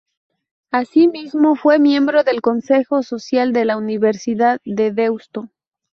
Asimismo fue miembro del Consejo Social de la Universidad de Deusto.